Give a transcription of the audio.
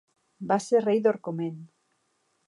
Va ser rei d'Orcomen.